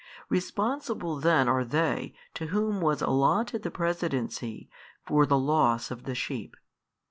Responsible then are they to whom was allotted the presidency, for the loss of the sheep.